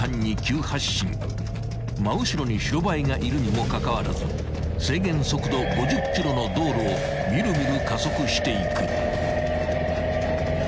［真後ろに白バイがいるにもかかわらず制限速度５０キロの道路をみるみる加速していく］